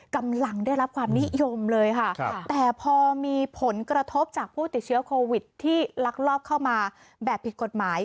กำลังได้รับความนิยมเลยค่ะแต่พอมีผลกระทบจากผู้ติดเชื้อโควิดที่ลักลอบเข้ามาแบบผิดกฎหมาย